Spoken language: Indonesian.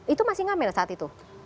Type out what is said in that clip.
itu masih ngamel saat itu